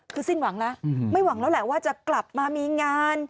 คือสิ้นหวังแล้วไม่หวังแล้วแหละว่าจะกลับมามีงาน